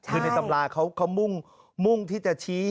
คือในตำราเขามุ่งที่จะชี้